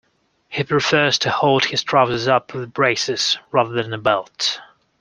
He prefers to hold his trousers up with braces rather than a belt